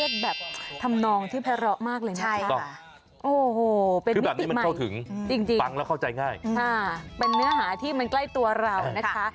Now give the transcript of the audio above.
เทศแบบทำนองที่แพระเหรอมากเลยนะคะโอ้โหเป็นนิติใหม่จริงเป็นเนื้อหาที่มันใกล้ตัวเรานะคะ